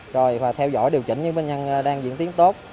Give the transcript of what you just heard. rồi theo dõi điều chỉnh những nguyên nhân đang diễn tiến tốt